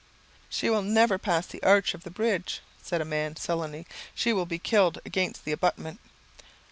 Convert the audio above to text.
"She will never pass the arch of the bridge," said a man, sullenly; "she will be killed against the abutment."